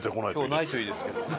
今日ないといいですけどね。